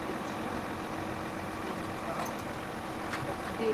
Hlavní jáma byla určena pro těžbu uhlí a čerpání vody.